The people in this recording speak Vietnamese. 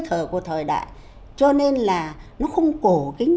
truyền nghĩa binh